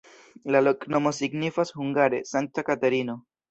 La loknomo signifas hungare: Sankta Katerino.